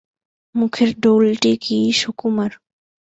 মুখের ডৌলটি কী সুকুমার!